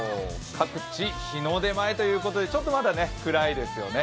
各地日の出前ということでちょっと暗いですよね。